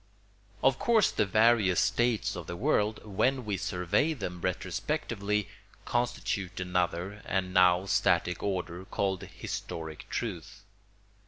] Of course the various states of the world, when we survey them retrospectively, constitute another and now static order called historic truth.